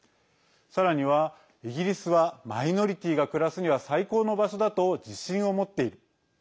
さらには、イギリスはマイノリティーが暮らすには最高の場所だと自信を持っている。